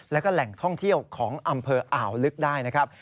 แล้วก็แหล่งท่องเที่ยวของอำเภออ่าวลึกได้นะครับ